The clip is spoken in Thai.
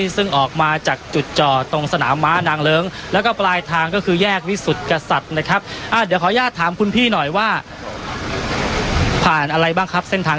ซึ่งออกมาจากจุดจอดตรงสนามมานางเลิง